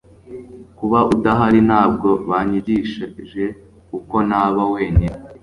Kuba udahari ntabwo byanyigishije uko naba wenyine